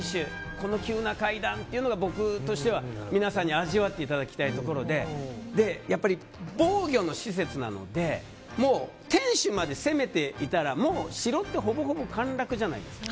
この急な階段というのが僕としては皆さんに味わっていただきたいところでやっぱり防御の施設なので天守まで攻めていたらもう城ってほぼほぼ陥落じゃないですか。